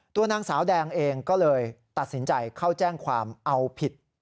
ตัวนางสาวแดงเองก็เลยตัดสินใจเข้าแจ้งความเอาผิด